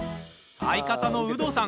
相方のウドさん